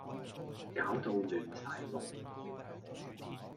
搞到亂晒龍